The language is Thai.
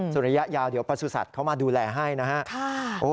สันระยะยาวเดี๋ยวประสุทธิ์ศัตริย์เข้ามาดูแลให้นะฮะ